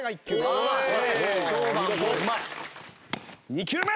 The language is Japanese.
２球目。